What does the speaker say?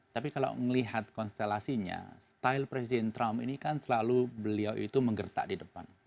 tapi kalau melihat konstelasinya style presiden trump ini kan selalu beliau itu menggertak di depan